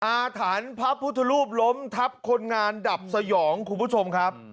อาถรรพ์พระพุทธรูปล้มทับคนงานดับสยองคุณผู้ชมครับ